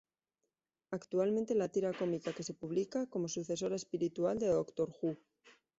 Actualmente la tira cómica que se publica, como sucesora espiritual de Doctor Who?